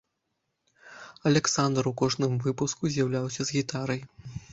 Аляксандр у кожным выпуску з'яўляўся з гітарай.